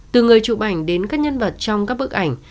từ người chụp ảnh đến các nhân vật trong các bức ảnh